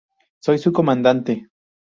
Soy su comandante.